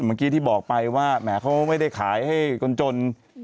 เมื่อกี้ที่บอกไปว่าแหมเขาไม่ได้ขายให้คนจน